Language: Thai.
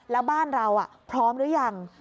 แล้วบ้านเราพร้อมหรือยัง